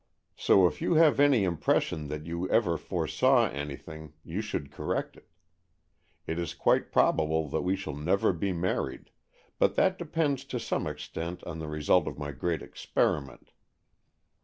So if you have any impres sion that you ever foresaw anything you should correct it. It is quite probable that we shall never be married, but that depends to some extent on the result of my great experiment.